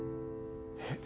えっ？